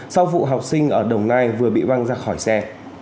sau vụ học sinh ở đồng nai vừa bị văng ra khỏi xe